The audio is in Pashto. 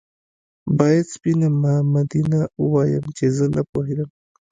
باید سپينه مامدينه ووايم چې زه نه پوهېدم